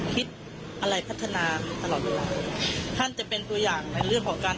คิดอะไรพัฒนาตลอดเวลาท่านจะเป็นตัวอย่างในเรื่องของการ